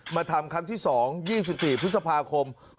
มาทำครั้งที่๒๒๔พฤษภาคม